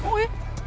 ăn vạ đòi tiền